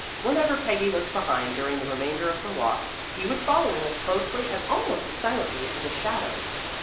Whenever Peggy looked behind, during the remainder of her walk, he was following as closely and almost as silently as a shadow.